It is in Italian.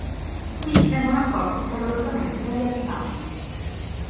Qui vengono accolti calorosamente dagli abitanti.